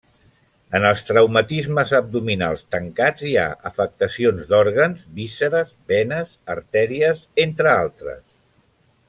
En els traumatismes abdominals tancats hi ha afectació d'òrgans, vísceres, venes, artèries, entre altres.